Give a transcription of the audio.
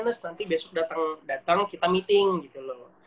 nanti besok dateng kita meeting gitu loh